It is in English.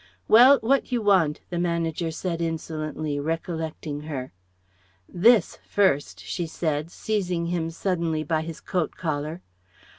"Well: what you want?" the Manager said insolently, recollecting her. "This first," she said, seizing him suddenly by his coat collar.